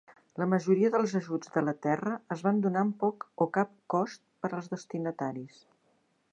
La majoria dels ajuts de la terra es van donar amb poc o cap cost per als destinataris.